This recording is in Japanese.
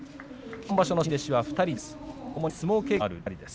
今場所の新弟子は２人です。